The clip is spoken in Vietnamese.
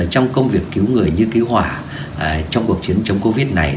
trong công việc cứu người như cứu hỏa trong cuộc chiến chống covid này